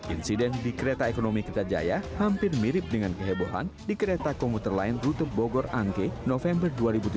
insiden di kereta ekonomi kertajaya hampir mirip dengan kehebohan di kereta komuter lain rute bogor angke november dua ribu tujuh belas